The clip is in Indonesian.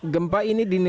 gempa ini dinilai tiga